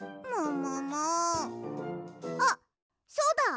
あっそうだ！